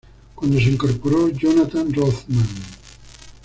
Cuando se incorporó Jonathan Rothman.